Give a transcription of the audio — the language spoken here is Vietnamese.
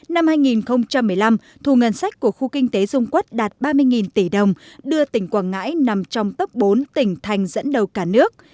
năm hai nghìn một mươi năm thu ngân sách của khu kinh tế dung quốc đạt ba mươi tỷ đồng đưa tỉnh quảng ngãi nằm trong tốc bốn tỉnh thành dẫn đầu cả nước